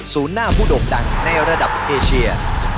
หน้าผู้โด่งดังในระดับเอเชีย